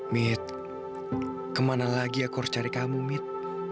mit kemana lagi aku harus cari kamu mit